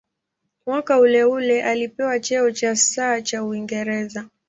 Mwaka uleule alipewa cheo cha "Sir" cha Uingereza.